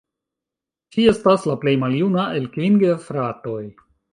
Ŝi estas la plej maljuna el kvin gefratoj.